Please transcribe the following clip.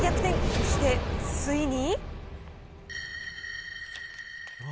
そしてついに。